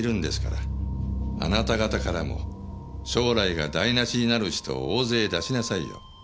あなた方からも将来が台無しになる人を大勢出しなさいよ。